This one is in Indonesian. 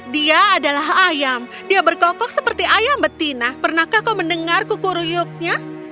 dia adalah ayam dia berkokok seperti ayam betina pernahkah kau mendengar kuku ruyuknya